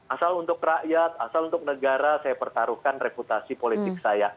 asal untuk rakyat asal untuk negara saya pertaruhkan reputasi politik saya